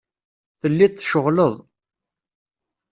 Telliḍ tceɣleḍ.